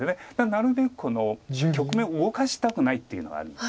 なるべく局面を動かしたくないっていうのがあるんですよね。